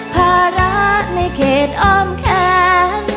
ภาระในเขตอ้อมแขน